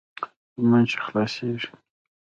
لمونځ چې خلاصېږي.